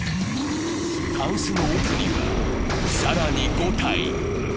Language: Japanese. タンスの奥には、更に５体。